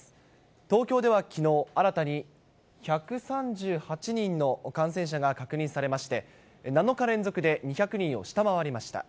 東京ではきのう、新たに１３８人の感染者が確認されまして、７日連続で２００人を下回りました。